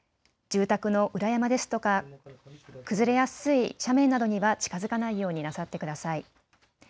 住宅の裏山ですとか崩れやすい斜面などには近づかないようになさってください。